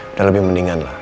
udah lebih mendingan lah